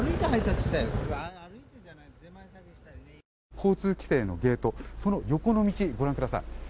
交通規制のゲートその横の道をご覧ください。